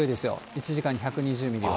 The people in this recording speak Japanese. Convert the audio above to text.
１時間に１２０ミリは。